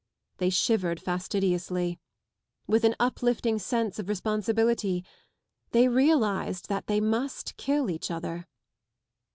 They shivered fastidiously. With an uplifting sense of responsibility they realised that they must kill each other.